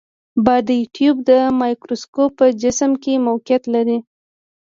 بادي ټیوب د مایکروسکوپ په جسم کې موقعیت لري.